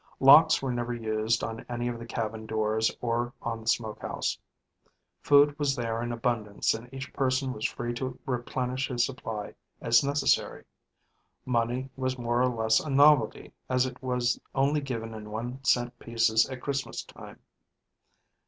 Locks were never used on any of the cabin doors or on the smokehouse. Food was there in abundance and each person was free to replenish his supply as necessary. Money was more or less a novelty as it was only given in 1¢ pieces at Christmas time.